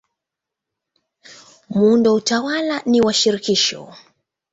Muundo wa utawala ni wa shirikisho.